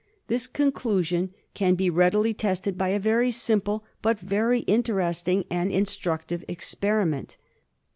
This conclusion can be readily tested by a very simple, but very interesting and instructive experiment.